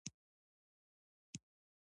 هلمند د افغانستان ترټولو ستر ولایت دی